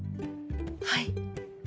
はい。